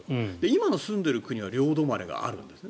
今の住んでいる区は両止まれがあるんです。